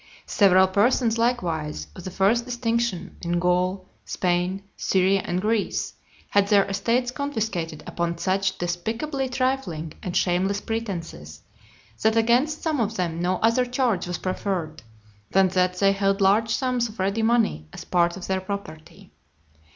Several persons, likewise, of the first distinction in Gaul, Spain, Syria, and Greece, had their estates confiscated upon such despicably trifling and shameless pretences, that against some of them no other charge was preferred, than that they held large sums of ready money as part of their property.